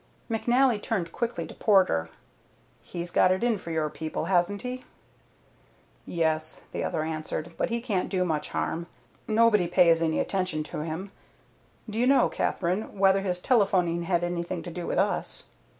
McNally turned quickly to Porter. "He's got it in for your people, hasn't he?" "Yes," the other answered; "but he can't do much harm. Nobody pays any attention to him. Do you know, Katherine, whether his telephoning had anything to do with us?"